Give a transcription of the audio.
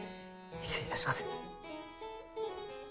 失礼いたします。